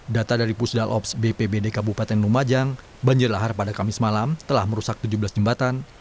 data dari pusdal ops bpbd kabupaten lumajang banjir lahar pada kamis malam telah merusak tujuh belas jembatan